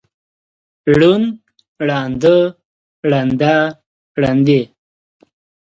ړوند، ړانده، ړنده، ړندې.